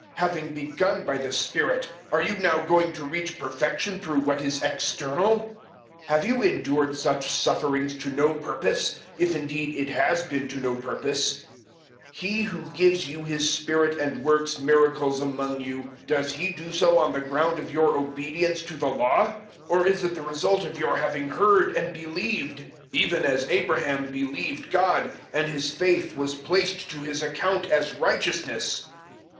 Having begun by the Spirit, are you now going to reach perfection through what is external? 003:004 Have you endured such sufferings to no purpose if indeed it has been to no purpose? 003:005 He who gives you His Spirit and works miracles among you does He do so on the ground of your obedience to the Law, or is it the result of your having heard and believed: 003:006 even as Abraham believed God, and his faith was placed to his account as righteousness?